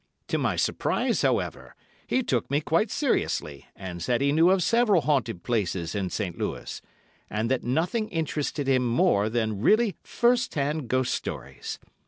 To my surprise, however, he took me quite seriously, and said he knew of several haunted places in St. Louis, and that nothing interested him more than really first hand ghost stories.